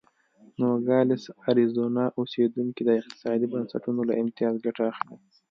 نوګالس اریزونا اوسېدونکي د اقتصادي بنسټونو له امتیاز ګټه اخلي.